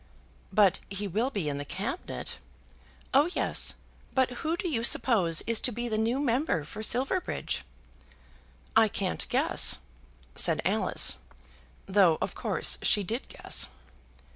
"But he will be in the Cabinet?" "Oh, yes. But who do you suppose is to be the new Member for Silverbridge?" "I can't guess," said Alice. Though, of course, she did guess.